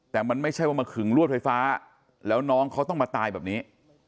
แต่มันไม่ใช่ว่ามาขึงลวดไฟฟ้าแล้วน้องเขาต้องมาตายแบบนี้